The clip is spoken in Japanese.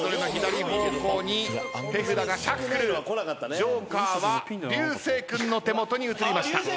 ＪＯＫＥＲは流星君の手元に移りました。